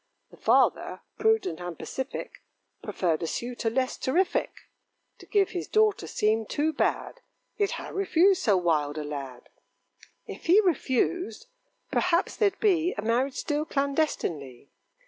The father, prudent and pacific, Preferred a suitor less terrific: To give his daughter seemed too bad, Yet how refuse so wild a lad? If he refused, perhaps there'd be A marriage still clandestinely.